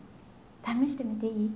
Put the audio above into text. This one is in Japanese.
試してみていい？